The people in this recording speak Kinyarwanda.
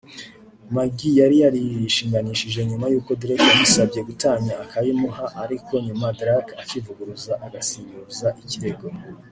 Maggie yari yarishinganishije nyuma y’uko Drake yamusabye Gatanya akayimuha ariko nyuma Drake akivuguruza agasinyuza ikirego